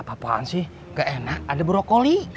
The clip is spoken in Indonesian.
apa apaan sih gak enak ada brokoli